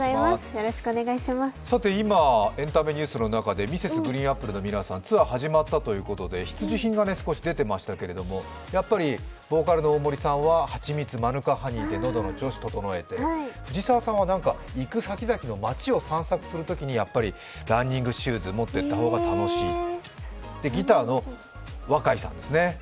今、エンタメニュースの中でＭｒｓ．ＧＲＥＥＮＡＰＰＬＥの皆さん、ツアー始まったということで必需品が出ていましたけども、やっぱりボーカルの大森さんは蜂蜜、マヌカハニーで喉の調子を整えて、藤澤さんは行く先々の街を散策するときにランニングシューズ持っていった方が楽しいとギターの若井さんですね